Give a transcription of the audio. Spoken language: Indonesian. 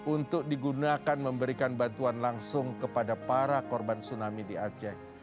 untuk digunakan memberikan bantuan langsung kepada para korban tsunami di aceh